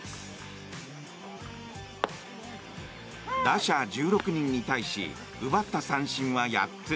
打者１６人に対し奪った三振は８つ。